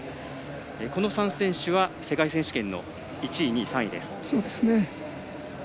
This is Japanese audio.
この３人は世界選手権の１位、２位、３位です。